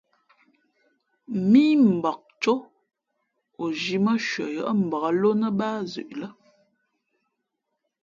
Mímbak cō, o zhī mά nshʉαyάʼ mbǎk ló nά báá zʉʼ.